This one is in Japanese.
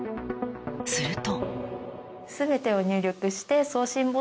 すると。